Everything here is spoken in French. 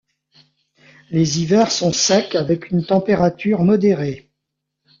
Les hivers sont secs avec une température modérée.